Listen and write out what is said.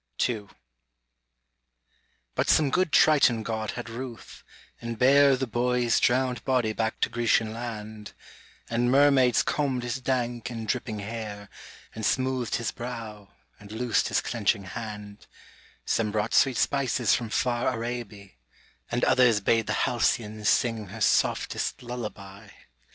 u BUT some good Triton god had ruth, and bare The boy's drowned body back to Grecian land, And mermaids combed his dank and dripping hair And smoothed his brow, and loosed his clenching hand, Some brought sweet spices from far Araby, And others bade the halcyon sing her softest lullaby.